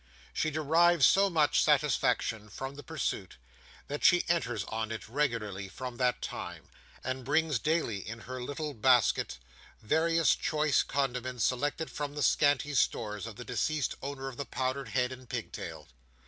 She derives so much satisfaction from the pursuit, that she enters on it regularly from that time; and brings daily in her little basket, various choice condiments selected from the scanty stores of the deceased owner of the powdered head and pigtail.